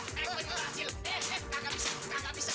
wih lagi lagi matanya si iwar kali ya